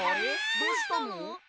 どうしたの？